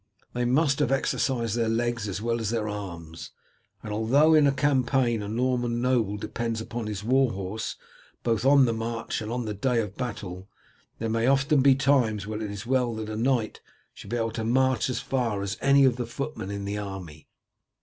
They must have exercised their legs as well as their arms, and although in a campaign a Norman noble depends upon his war horse both on the march and on the day of battle, there may often be times when it is well that a knight should be able to march as far as any of the footmen in the army.